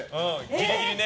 ギリギリね。